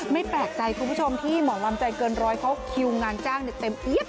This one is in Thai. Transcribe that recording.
ไม่แปลกใจคุณผู้ชมที่หมอลำใจเกินร้อยเขาคิวงานจ้างเต็มเอี๊ยบ